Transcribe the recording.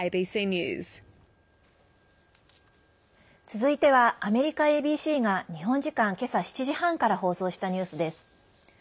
続いてはアメリカＡＢＣが日本時間けさ７時半から放送したニュースです。